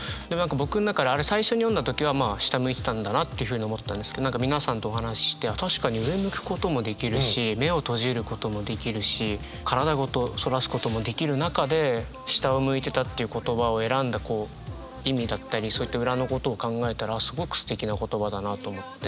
僕の中であれ最初に読んだ時はまあ下向いてたんだなというふうに思ったんですけど何か皆さんとお話しして確かに上向くこともできるし目を閉じることもできるし体ごとそらすこともできる中で「下を向いてた」っていう言葉を選んだ意味だったりそういった裏のことを考えたらすごくすてきな言葉だなと思って。